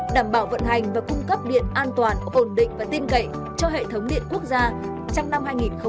đảm bảo vận hành và cung cấp điện an toàn ổn định và tin cậy cho hệ thống điện quốc gia trong năm hai nghìn hai mươi